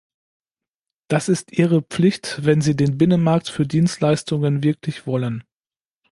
Das ist Ihre Pflicht, wenn Sie den Binnenmarkt für Dienstleistungen wirklich wollen.